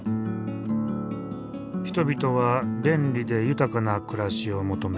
人々は便利で豊かな暮らしを求め